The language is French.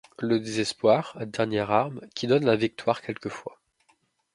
Le désespoir, dernière arme, qui donne la victoire quelquefois.